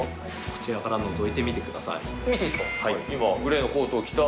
こちらからのぞいてみてくだ見ていいですか？